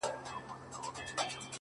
چي کاته چي په کتو کي را ايسار دي!!